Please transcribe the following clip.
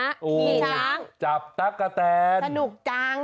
มีช้างจับตั๊กกะแตนสนุกจัง